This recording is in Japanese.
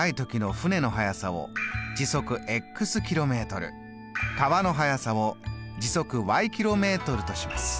川の速さを時速ｋｍとします。